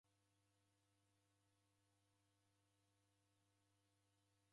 Waw'ialegha ijo ighesho.